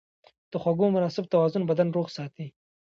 د خوړو مناسب توازن بدن روغ ساتي.